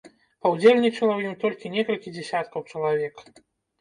Паўдзельнічала ў ім толькі некалькі дзясяткаў чалавек.